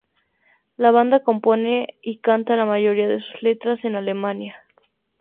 La banda compone y canta la mayoría de sus letras en alemán.